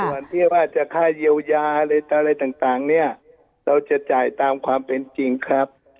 ส่วนที่ว่าจะค่าเยียวยาอะไรต่างเนี่ยเราจะจ่ายตามความเป็นจริงครับ